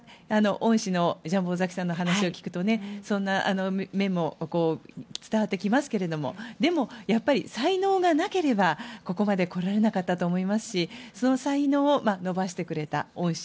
恩師のジャンボ尾崎さんの話を聞くとそんな面も伝わってきますがでも、やっぱり才能がなければここまで来られなかったと思いますしその才能を伸ばしてくれた恩師